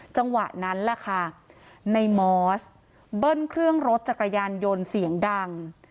จังหวะนั้นแหละค่ะในมอสเบิ้ลเครื่องรถจักรยานยนต์เสียงดัง